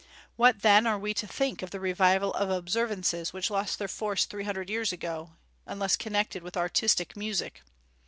What, then, are we to think of the revival of observances which lost their force three hundred years ago, unless connected with artistic music?